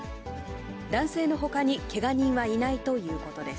男性のほかにけが人はいないということです。